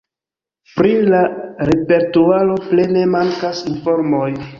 Pri la repertuaro plene mankas informoj.